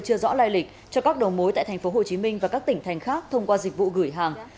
chưa rõ lai lịch cho các đầu mối tại tp hcm và các tỉnh thành khác thông qua dịch vụ gửi hàng